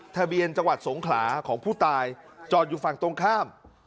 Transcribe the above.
ทะเบียนจังหวัดสงขลาของผู้ตายจอดอยู่ฝั่งตรงข้าม